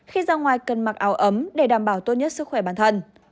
khi ra ngoài cần mặc áo ấm để đảm bảo tốt nhất sức khỏe bản thân